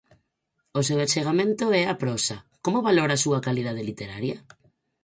O seu achegamento é a prosa, como valora a súa calidade literaria?